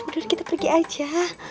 udah kita pergi aja